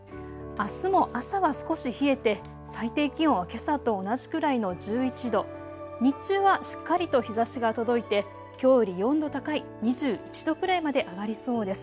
あすも朝は少し冷えて最低気温はけさと同じくらいの１１度、日中はしっかりと日ざしが届いてきょうより４度高い２１度くらいまで上がりそうです。